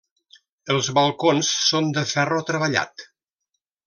Els balcons són de ferro treballat.